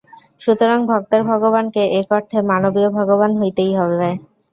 সুতরাং ভক্তের ভগবানকে এক অর্থে মানবীয় ভগবান হইতেই হইবে।